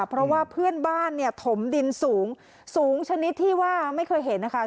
เพราะว่าเพื่อนบ้านเนี่ยถมดินสูงสูงชนิดที่ว่าไม่เคยเห็นนะคะ